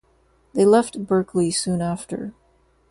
They left Berklee soon after.